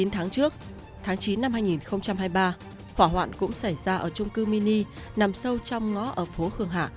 chín tháng trước tháng chín năm hai nghìn hai mươi ba hỏa hoạn cũng xảy ra ở trung cư mini nằm sâu trong ngõ ở phố khương hạ